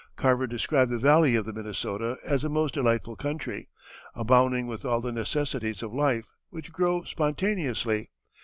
Carver described the valley of the Minnesota as a most delightful country, abounding with all the necessities of life, which grow spontaneously.